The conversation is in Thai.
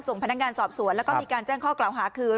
พนักงานสอบสวนแล้วก็มีการแจ้งข้อกล่าวหาคือ